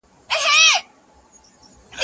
زه پرون بوټونه پاکوم!؟